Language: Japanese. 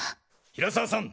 平沢さん